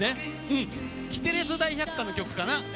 「キテレツ大百科」の曲かな。